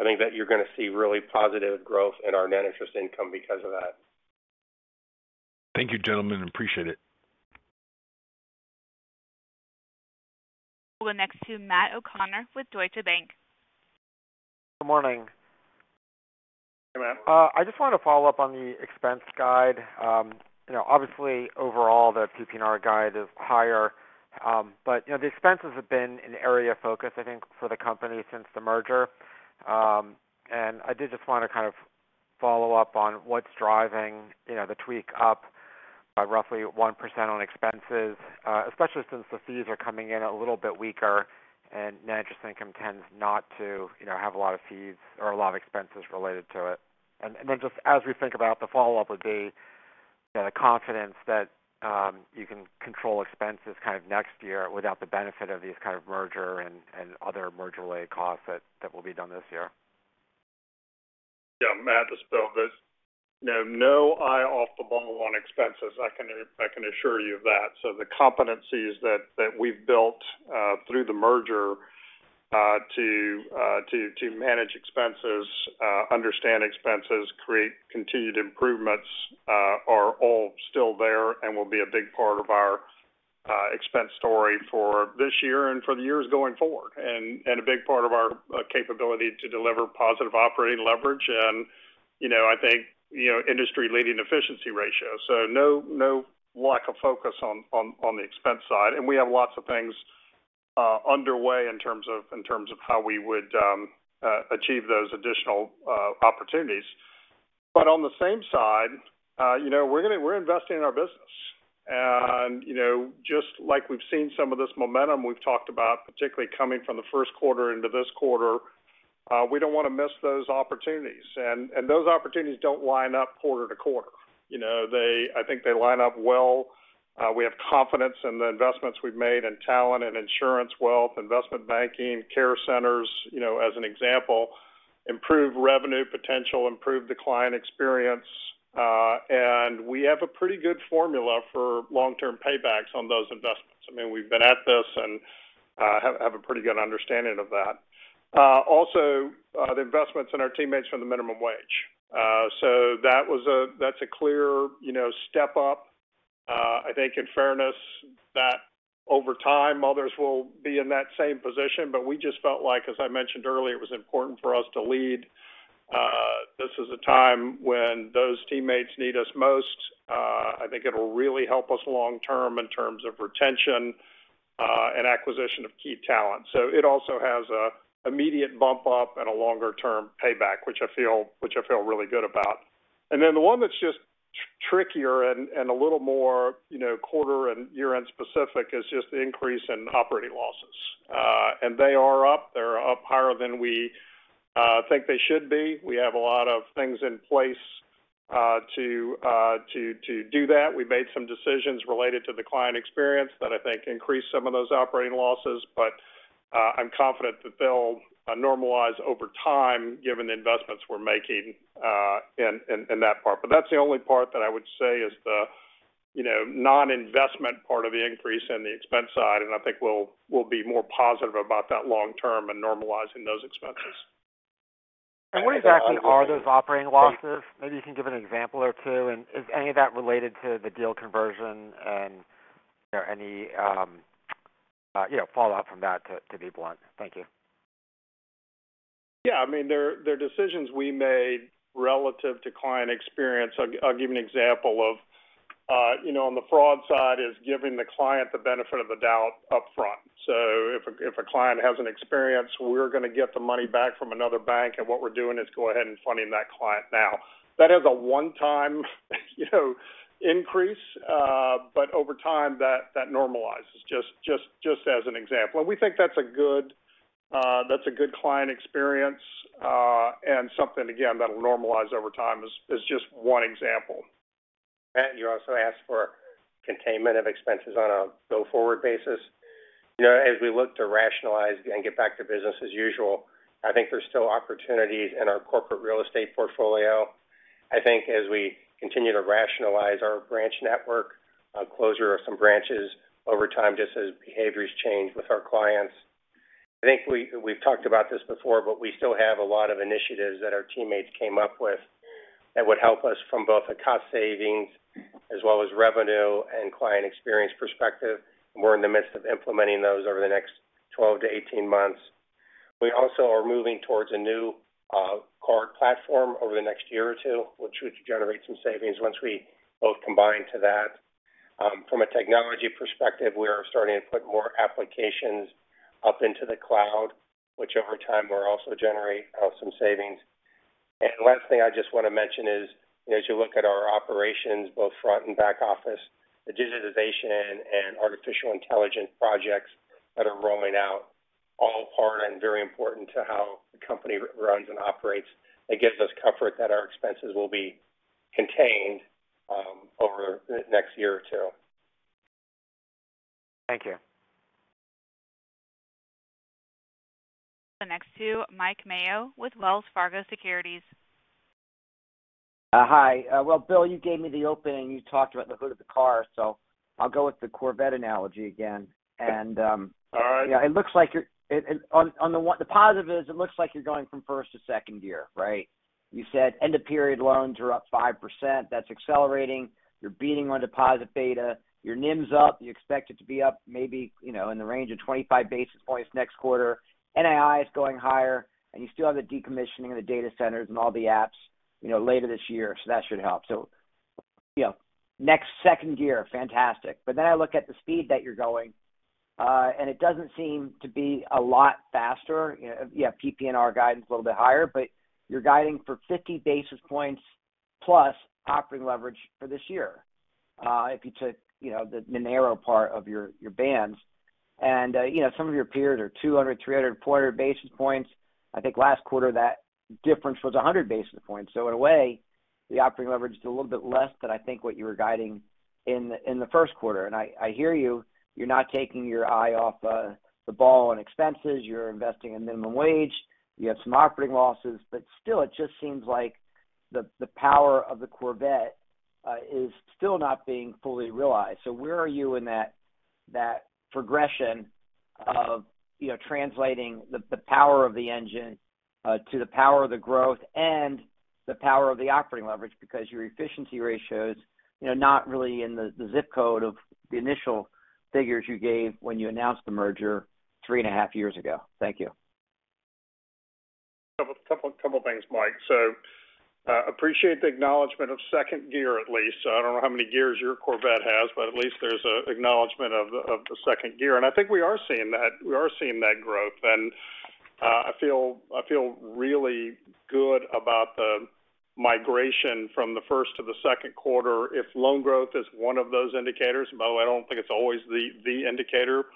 I think that you're going to see really positive growth in our net interest income because of that. Thank you, gentlemen. Appreciate it. We'll go next to Matt O'Connor with Deutsche Bank. Good morning. Hey, Matt. I just wanted to follow up on the expense guide. Obviously overall the PPNR guide is higher, the expenses have been an area of focusfor the company since the merger. I did just want to kind of follow up on what's driving the tweak up by roughly 1% on expenses, especially since the fees are coming in a little bit weaker and net interest income tends not to have a lot of fees or a lot of expenses related to it. Then just as we think about the follow-up would be the confidence that you can control expenses kind of next year without the benefit of these kind of merger and other merger-related costs that will be done this year. Yeah. Matt, this is Bill. There's no eye off the ball on expenses. I can assure you of that. The competencies that we've built through the merger to manage expenses, understand expenses, create continued improvements are all still there and will be a big part of our expense story for this year and for the years going forward. A big part of our capability to deliver positive operating leverage. Industry-leading efficiency ratio. No lack of focus on the expense side. We have lots of things underway in terms of how we would achieve those additional opportunities. But on the same side we're investing in our business. Yust like we've seen some of this momentum we've talked about, particularly coming from the first quarter into this quarter, we don't want to miss those opportunities. Those opportunities don't line up quarter to quarter. I think they line up well. We have confidence in the investments we've made in talent and insurance, wealth, investment banking, care centers as an example, improve revenue potential, improve the client experience, and we have a pretty good formula for long-term paybacks on those investments. We've been at this and have a pretty good understanding of that. The investments in our teammates from the minimum wage. That's a clear, you know, step up. In fairness that over time, others will be in that same position, but we just felt like, as I mentioned earlier, it was important for us to lead. This is a time when those teammates need us most. I think it'll really help us long-term in terms of retention, and acquisition of key talent. It also has an immediate bump up and a longer-term payback, which I feel really good about. Then the one that's just trickier and a little more quarter and year-end specific is just the increase in operating losses. They are up. They're up higher than we think they should be. We have a lot of things in place to do that. We made some decisions related to the client experience that I think increased some of those operating losses. I'm confident that they'll normalize over time given the investments we're making in that part. That's the only part that I would say is the non-investment part of the increase in the expense side. I think we'll be more positive about that long term and normalizing those expenses. What exactly are those operating losses? Maybe you can give an example or two. Is any of that related to the deal conversion and any, you know, fallout from that, to be blunt? Thank you. Yeah. I mean, they're decisions we made relative to client experience. I'll give you an example of, you know, on the fraud side is giving the client the benefit of the doubt up front. If a client has an experience, we're going to get the money back from another bank, and what we're doing is go ahead and fund that client now. That is a one-time, you know, increase, but over time, that normalizes, just as an example. We think that's a good client experience, and something, again, that'll normalize over time is just one example. Matt, you also asked for containment of expenses on a go-forward basis. As we look to rationalize and get back to business as usual, I think there's still opportunities in our corporate real estate portfolio. I think as we continue to rationalize our branch network, closure of some branches over time, just as behaviors change with our clients. I think we've talked about this before, but we still have a lot of initiatives that our teammates came up with that would help us from both a cost savings as well as revenue and client experience perspective. We're in the midst of implementing those over the next 12-18 months. We also are moving towards a new card platform over the next year or 2, which should generate some savings once we both combine to that. From a technology perspective, we are starting to put more applications up into the cloud, which over time will also generate some savings. Last thing I just want to mention is as you look at our operations, both front and back office, the digitization and artificial intelligence projects that are rolling out all part and very important to how the company runs and operates. It gives us comfort that our expenses will be contained over the next year or two. Thank you. The next to Mike Mayo with Wells Fargo Securities. Hi. Well, Bill, you gave me the opening. You talked about the hood of the car, so I'll go with the Corvette analogy again. All right. Yeah, it looks like you're going from first to second gear, right? You said end-of-period loans are up 5%. That's accelerating. You're beating on deposit beta. Your NIM's up. You expect it to be up maybe in the range of 25 basis points next quarter. NII is going higher, and you still have the decommissioning of the data centers and all the apps, you know, later this year, so that should help. Next second gear, fantastic. But then I look at the speed that you're going, and it doesn't seem to be a lot faster. You have PPNR guidance a little bit higher, but you're guiding for 50 basis points plus operating leverage for this year, if you took the midpoint part of your bands. Some of your peers are 200, 300, 400 basis points. Last quarter that difference was 100 basis points. In a way, the operating leverage is a little bit less than I think what you were guiding in the first quarter. I hear you. You're not taking your eye off the ball on expenses. You're investing in minimum wage. You have some operating losses. Still, it just seems like the power of the Corvette is still not being fully realized. Where are you in that progression of, you know, translating the power of the engine to the power of the growth and the power of the operating leverage? Because your efficiency ratio is, you know, not really in the zip code of the initial figures you gave when you announced the merger three and a half years ago. Thank you. A couple of things, Mike. Appreciate the acknowledgment of second gear at least. I don't know how many gears your Corvette has, but at least there's an acknowledgment of the second gear. I think we are seeing that. We are seeing that growth. I feel really good about the migration from the first to the second quarter. If loan growth is one of those indicators, though I don't think it's always the indicator.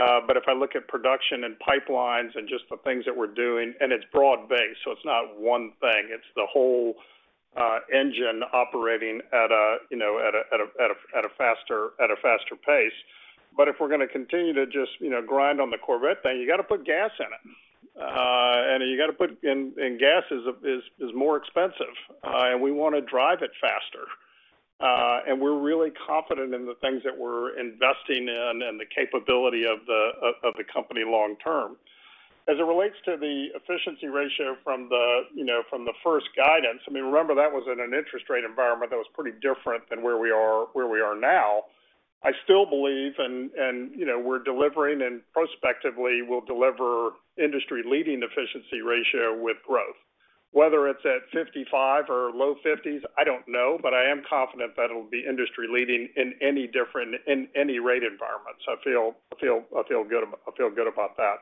If I look at production and pipelines and just the things that we're doing, and it's broad-based, so it's not one thing. It's the whole engine operating at a faster pace, you know. If we're gonna continue to just grind on the Corvette, you know, then you got to put gas in it. You got to put in, and gas is more expensive. We wanna drive it faster. We're really confident in the things that we're investing in and the capability of the company long term. As it relates to the efficiency ratio from the first guidance remember that was in an interest rate environment that was pretty different than where we are now. I still believe we're delivering and prospectively will deliver industry-leading efficiency ratio with growth. Whether it's at 55 or low 50s, I don't know, but I am confident that it'll be industry-leading in any rate environment. I feel good about that.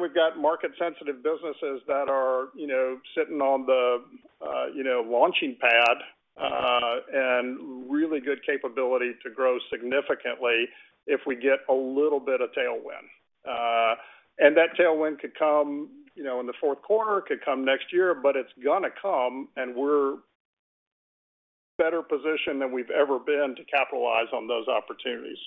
We've got market-sensitive businesses that are sitting on the, you know, launching pad, and really good capability to grow significantly if we get a little bit of tailwind. That tailwind could come in the Q4, could come next year, but it's gonna come, and we're better positioned than we've ever been to capitalize on those opportunities.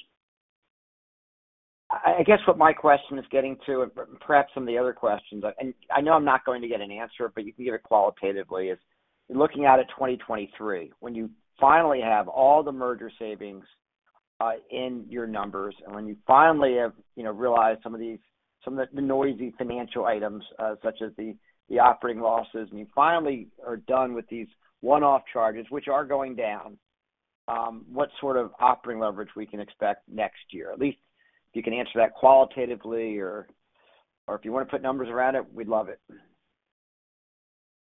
What my question is getting to, and perhaps some of the other questions, and I know I'm not going to get an answer, but you can give it qualitatively, is looking out at 2023 when you finally have all the merger savings in your numbers and when you finally have, you know, realized some of these noisy financial items, such as the operating losses, and you finally are done with these one-off charges, which are going down, what sort of operating leverage we can expect next year? At least if you can answer that qualitatively or if you want to put numbers around it, we'd love it.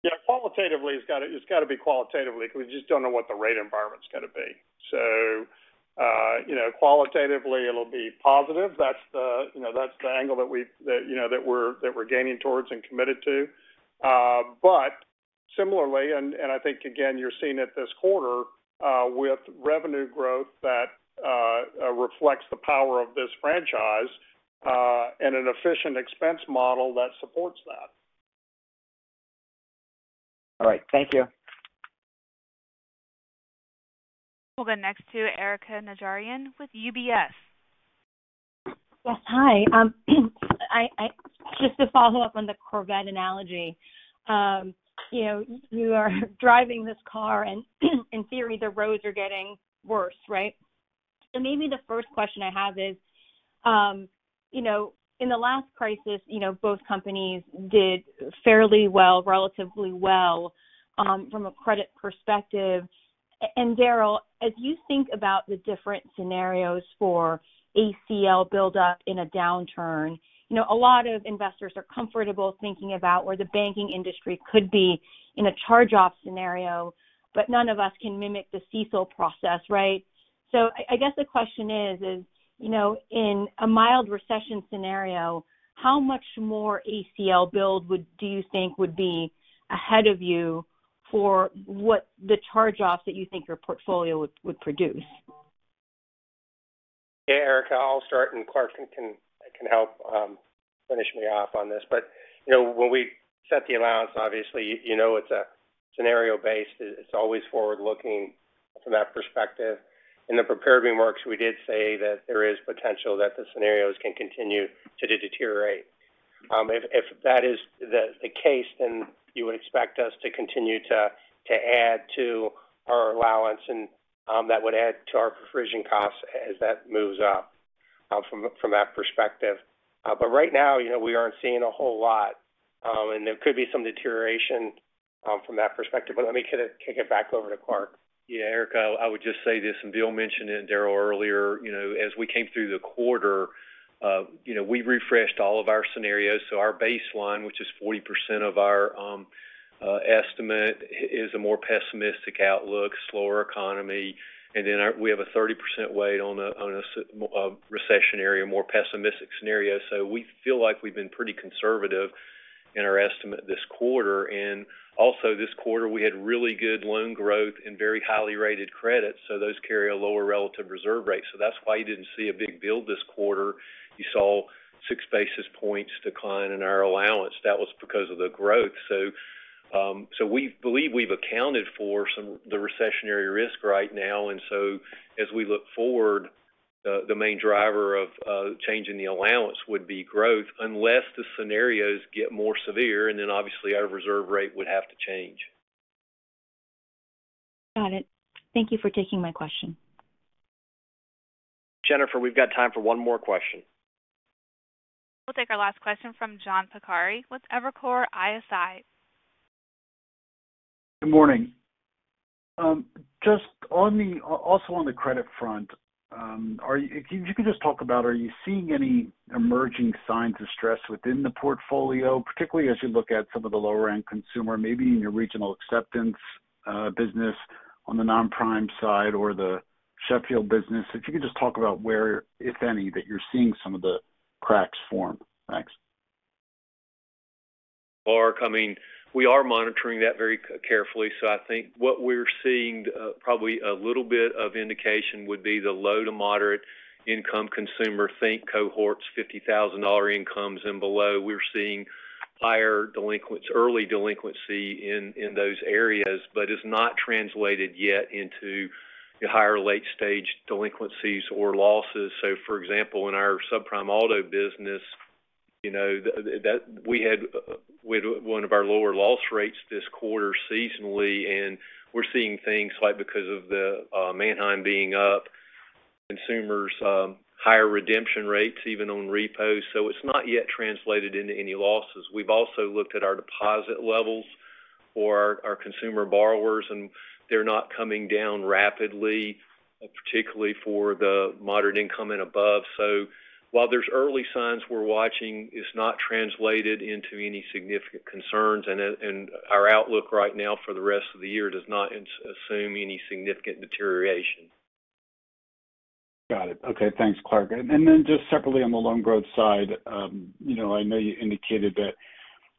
Yeah. Qualitatively, it's got to be qualitatively because we just don't know what the rate environment's going to be. Qualitatively it'll be positive. That's the angle that we're gaining towards and committed to. But similarly, I think again, you're seeing it this quarter with revenue growth that reflects the power of this franchise and an efficient expense model that supports that. All right. Thank you. We'll go next to Erika Najarian with UBS. Yes. Hi. Just to follow up on the Corvette analogy. You are driving this car, and in theory, the roads are getting worse, right? Maybe the first question I have is in the last crisis both companies did fairly well, relatively well, from a credit perspective. And Daryl, as you think about the different scenarios for ACL buildup in a downturn a lot of investors are comfortable thinking about where the banking industry could be in a charge-off scenario, but none of us can mimic the CECL process, right? I guess the question is, you know, in a mild recession scenario, how much more ACL build do you think would be ahead of you for what the charge-offs that you think your portfolio would produce? Yeah. Erika, I'll start, and Clarke can help finish me off on this. When we set the allowance, obviously it's scenario-based. It's always forward-looking from that perspective. In the prepared remarks, we did say that there is potential that the scenarios can continue to deteriorate. If that is the case, then you would expect us to continue to add to our allowance and that would add to our provision costs as that moves up from that perspective. Right now we aren't seeing a whole lot. And there could be some deterioration from that perspective. Let me kind of kick it back over to Clarke. Yeah, Erika, I would just say this, and Bill mentioned it and Daryl earlier. As we came through the quarter, you know, we refreshed all of our scenarios. Our baseline, which is 40% of our estimate, is a more pessimistic outlook, slower economy. We have a 30% weight on a recessionary, more pessimistic scenario. We feel like we've been pretty conservative in our estimate this quarter. Also this quarter, we had really good loan growth and very highly rated credits, so those carry a lower relative reserve rate. That's why you didn't see a big build this quarter. You saw six basis points decline in our allowance. That was because of the growth. We believe we've accounted for the recessionary risk right now. As we look forward, the main driver of changing the allowance would be growth unless the scenarios get more severe, and then obviously our reserve rate would have to change. Got it. Thank you for taking my question. Jennifer, we've got time for one more question. We'll take our last question from John Pancari with Evercore ISI. Good morning. Also on the credit front, if you could just talk about, are you seeing any emerging signs of stress within the portfolio, particularly as you look at some of the lower end consumer, maybe in your Regional Acceptance business on the non-prime side or the Sheffield business. If you could just talk about where, if any, that you're seeing some of the cracks form? Thanks. Are coming. We are monitoring that very carefully. I think what we're seeing, probably a little bit of indication would be the low- to moderate-income consumer. Think cohorts $50,000 incomes and below. We're seeing higher delinquencies, early delinquency in those areas, but it's not translated yet into higher late-stage delinquencies or losses. For example, in our subprime auto business that, we had one of our lower loss rates this quarter seasonally, and we're seeing things like because of the Manheim being up, consumers higher redemption rates even on repos. It's not yet translated into any losses. We've also looked at our deposit levels for our consumer borrowers, and they're not coming down rapidly, particularly for the moderate-income and above. While there's early signs we're watching, it's not translated into any significant concerns. Our outlook right now for the rest of the year does not assume any significant deterioration. Got it. Okay, thanks, Clarke. Just separately on the loan growth side I know you indicated that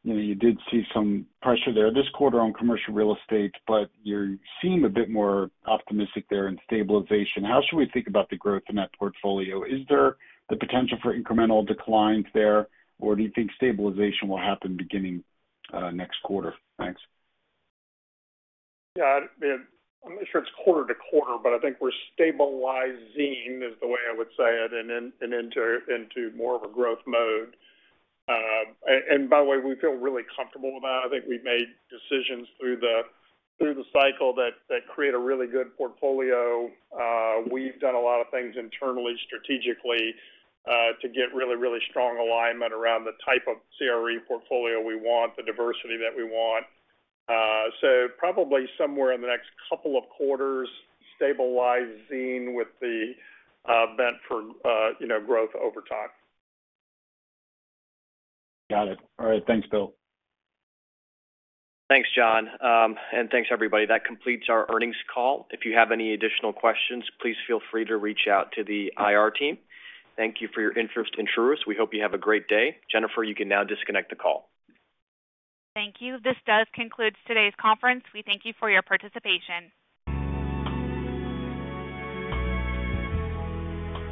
you did see some pressure there this quarter on commercial real estate, but you seem a bit more optimistic there in stabilization. How should we think about the growth in that portfolio? Is there the potential for incremental declines there, or do you think stabilization will happen beginning next quarter? Thanks. Yeah. I'm not sure it's quarter to quarter, but I think we're stabilizing is the way I would say it and into more of a growth mode. By the way, we feel really comfortable about it. I think we've made decisions through the cycle that create a really good portfolio. We've done a lot of things internally, strategically, to get really strong alignment around the type of CRE portfolio we want, the diversity that we want. Probably somewhere in the next couple of quarters, stabilizing with the bent for, you know, growth over time. Got it. All right. Thanks, Bill. Thanks, John. Thanks, everybody. That completes our earnings call. If you have any additional questions, please feel free to reach out to the IR team. Thank you for your interest in Truist. We hope you have a great day. Jennifer, you can now disconnect the call. Thank you. This does conclude today's conference. We thank you for your participation.